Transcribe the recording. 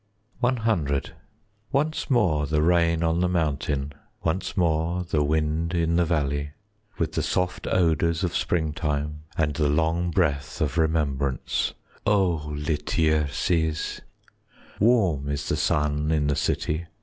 C Once more the rain on the mountain, Once more the wind in the valley, With the soft odours of springtime And the long breath of remembrance, O Lityerses! 5 Warm is the sun in the city.